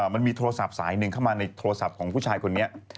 มันมีโทรศัพท์สายหนึ่งเข้ามาในโทรศัพท์ของผู้ชายคนนี้